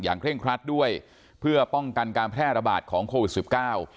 เร่งครัดด้วยเพื่อป้องกันการแพร่ระบาดของโควิดสิบเก้า